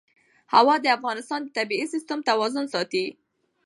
هوا د افغانستان د طبعي سیسټم توازن ساتي.